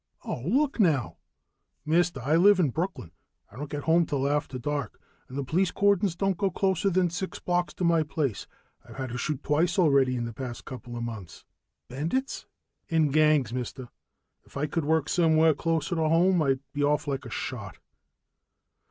"Oh, look now " "Mister, I live in Brooklyn. I don't get home till after dark, and the police cordons don't go closer than six blocks to my place. I've had to shoot twice already in the past couple months." "Bandits?" "In gangs, mister. If I could work somewhere closer to home, I'd be off like a shot."